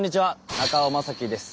中尾暢樹です。